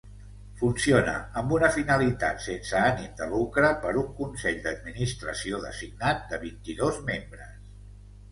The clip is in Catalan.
Funciona amb una finalitat sense ànim de lucre per un consell d'administració designat, de vint-i-dos membres.